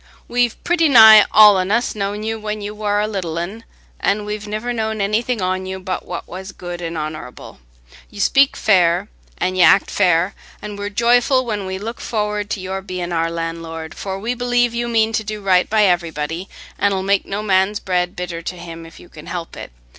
We've pretty nigh all on us known you when you war a little un, an' we've niver known anything on you but what was good an' honorable. You speak fair an' y' act fair, an' we're joyful when we look forrard to your being our landlord, for we 'lieve you mean to do right by everybody, an' 'ull make no man's bread bitter to him if you can help it.